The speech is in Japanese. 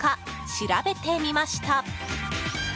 しらべてみました。